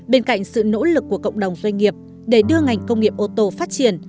bên cạnh sự nỗ lực của cộng đồng doanh nghiệp để đưa ngành công nghiệp ô tô phát triển